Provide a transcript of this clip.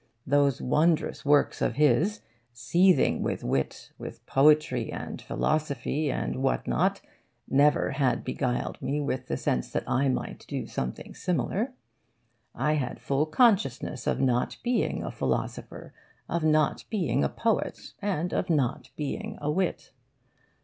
Those wondrous works of his, seething with wit, with poetry and philosophy and what not, never had beguiled me with the sense that I might do something similar. I had full consciousness of not being a philosopher, of not being a poet, and of not being a wit.